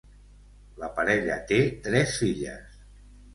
La parella té tres filles.